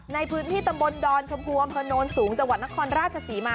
ในพื้นที่ตำบลดอนชมภัณฑ์ผนนท์สูงจังหวัดนครราชศรีมา